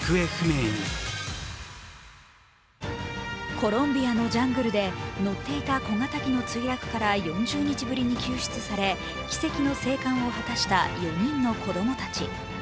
コロンビアのジャングルで乗っていた小型機の墜落から４０日ぶりに救出され、奇跡の生還を果たした４人の子供たち。